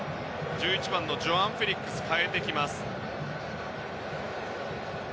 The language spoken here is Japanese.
１１番のジョアン・フェリックス代えてきます。